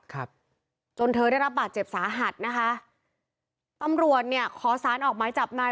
ครับจนเธอได้รับบาดเจ็บสาหัสนะคะตำรวจเนี่ยขอสารออกหมายจับนาย